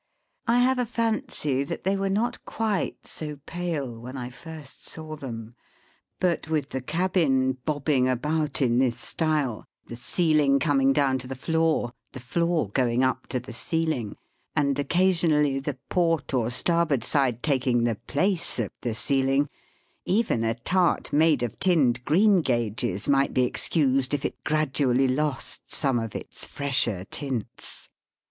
I have a fancy that they were not quite so pale when I first saw them. But with the cabin bobbing about in this style, the ceiling coming down to the floor, the floor going up to the ceiling, and occasionally the port or starboard side taking the place of the ceiling, even a tart made of tinned greengages might be excused if it gradually lost some of its fresher tints.